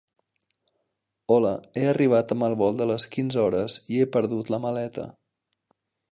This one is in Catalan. Hola, he arribat amb el vol de les quinze hores i he perdut la maleta.